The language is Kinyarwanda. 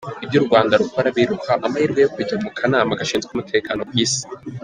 Ibyo u Rwanda rukora biruha amahirwe yo kujya mu Kanama gashinzwe Umutekano ku Isi